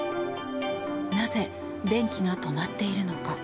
なぜ、電気が止まっているのか。